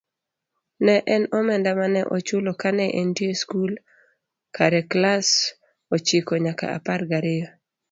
Ne en omenda mane ochulo kane entie skul ckare klass ochiko nyaka apar gariyo.